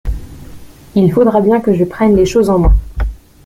Il faudra bien que je prenne les choses en main.